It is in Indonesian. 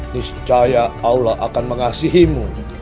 niscaya allah akan mengasihimu